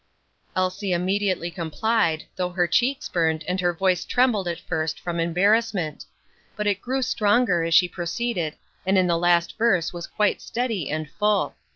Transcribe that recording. Elsie immediately complied, though her cheeks burned, and her voice trembled at first from embarrassment; but it grew stronger as she proceeded and in the last verse was quite steady and full.